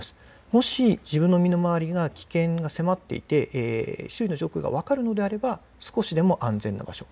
もし自分の身の回りが危険が迫っていて周囲の情報、状況が分かるのであれば少しでも安全な場所